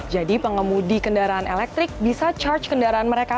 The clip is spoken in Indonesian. jadi pengemudi kendaraan elektrik bisa charge kendaraan mereka